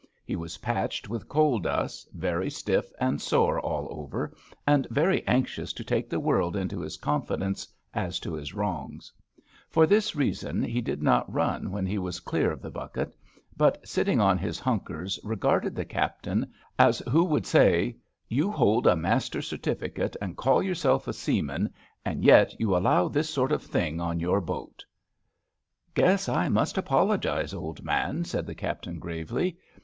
He was patched with coal dust, very stiff and sore all over, and very anxious to take the world into his confidence as to his wrongs. For this reason he did not run when he was clear of the bucket, but sitting on his hunkers regarded the Captain, as who would say: *^ You hold a master's certificate and call yourself a seaman, and yet you allow this sort of thing on your boaf Guess I must apologise, old man,'' said the Captain gravely.